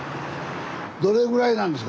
どれぐらいなんですか？